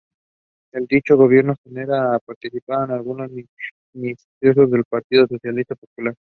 En dicho gobierno llegarían a participar algunos ministros del Partido Socialista Popular.